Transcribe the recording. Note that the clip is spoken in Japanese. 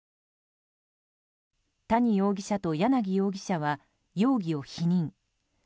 谷容疑者と柳容疑者は容疑を否認。